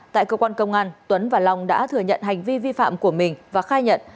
tại cơ quan công an tuấn và long đã thừa nhận hành vi vi phạm của mình và khai nhận